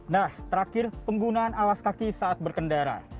nah terakhir penggunaan alas kaki saat berkendara